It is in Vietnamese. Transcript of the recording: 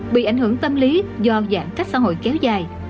bị ảnh hưởng tâm lý do giãn cách xã hội kéo dài